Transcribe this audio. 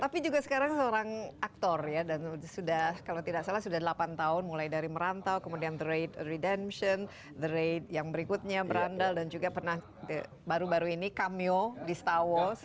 tapi juga sekarang seorang aktor ya dan sudah kalau tidak salah sudah delapan tahun mulai dari merantau kemudian the raid redemption the raid yang berikutnya berandal dan juga pernah baru baru ini cameo di star wars